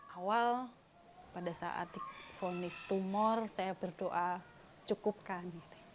awal pada saat vonis tumor saya berdoa cukupkan